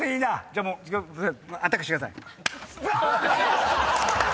じゃあアタックしてください。